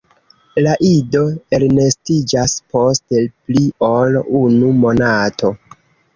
La ido elnestiĝas post pli ol unu monato.